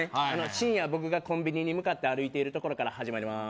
深夜僕がコンビニに向かって歩いているところから始まります